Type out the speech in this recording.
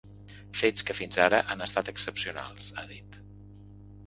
Fets que fins ara han estat excepcionals, ha dit.